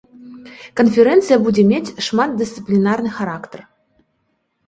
Канферэнцыя будзе мець шматдысцыплінарны характар.